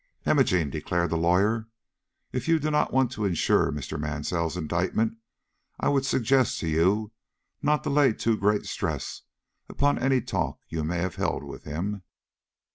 "Imogene," declared the lawyer, "if you do not want to insure Mr. Mansell's indictment, I would suggest to you not to lay too great stress upon any talk you may have held with him."